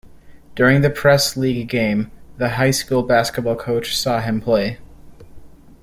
During a Press League game, the high school basketball coach saw him play.